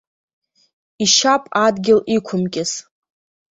Ишьап адгьыл иқәымкьыс!